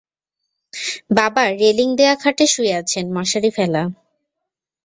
বাবা রেলিং- দেয়া খাটে শুয়ে আছেন, মশারি ফেলা।